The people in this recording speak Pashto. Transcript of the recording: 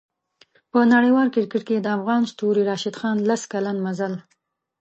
په نړیوال کریکټ کې د افغان ستوري راشد خان لس کلن مزل